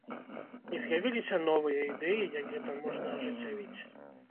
І з'явіліся новыя ідэі, як гэта можна ажыццявіць.